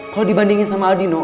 kalau dibandingin sama adino